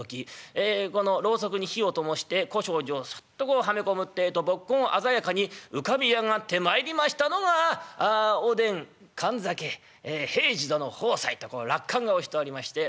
ええこのロウソクに火をともして小障子をすっとこうはめ込むってえと墨痕鮮やかに浮かび上がってまいりましたのが「おでん」「燗酒」「平次殿」「鵬斎」と落款が押しておりまして。